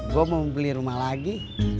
gue mau beli rumah lagi